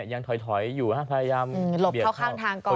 ยังถอยอยู่พยายามหลบเข้าข้างทางก่อน